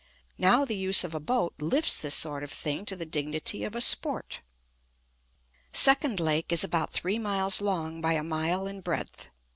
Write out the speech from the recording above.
Now the use of a boat lifts this sort of thing to the dignity of a sport. Second Lake is about three miles long by a mile in breadth.